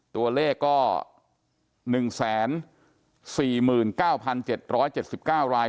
ตัวเลขก็๑๔๙๗๗๙ราย